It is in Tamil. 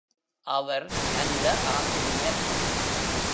அவர் நல்ல ஆசிரியர்.